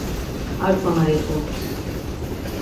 Ar tzana iqu.